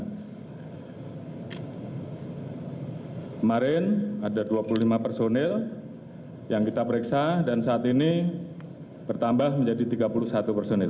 kemarin ada dua puluh lima personil yang kita periksa dan saat ini bertambah menjadi tiga puluh satu personil